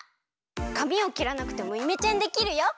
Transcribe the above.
かみをきらなくてもイメチェンできるよ。